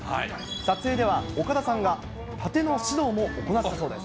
撮影では岡田さんがたての指導も行ったそうです。